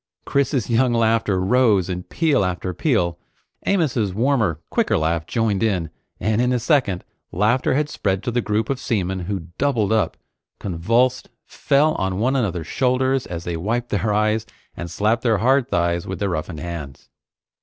Chris's young laughter rose in peal after peal. Amos's warmer, quicker laugh joined in, and in a second, laughter had spread to the group of seamen who doubled up, convulsed, fell on one another's shoulders as they wiped their eyes, and slapped their hard thighs with their roughened hands.